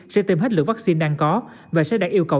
sẽ tiêm hết lượng vaccine đang có và sẽ đạt yêu cầu